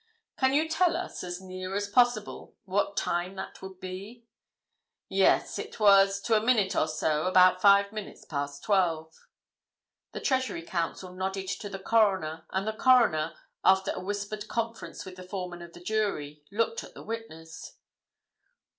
"Can you tell us, as near as possible, what time that would be?" "Yes. It was, to a minute or so, about five minutes past twelve." The Treasury Counsel nodded to the Coroner, and the Coroner, after a whispered conference with the foreman of the jury, looked at the witness.